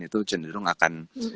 itu cenderung akan